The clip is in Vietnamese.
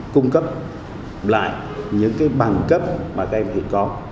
cung cấp lại những cái bằng cấp mà các em hiện có